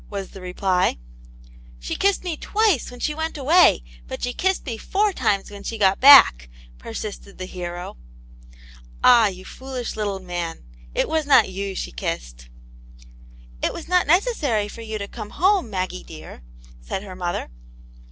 " was the reply. " She kissed me twice when she went away, but she kissed me four times when she got back," per sisted the hero. Ah, you foolish little man; it was not you she kissed ! ''It was not necessary for you to come home, Maggie dear," said her mother.